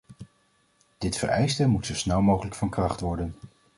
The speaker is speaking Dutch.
Dit vereiste moet zo snel mogelijk van kracht worden.